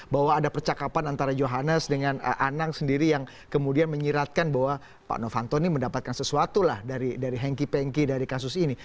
bahwa ada percakapan antara johannes dengan anang sendiri yang kemudian menyiratkan bahwa pak novanto ini mendapatkan sesuatu lah dari hengki pengki dari kasus ini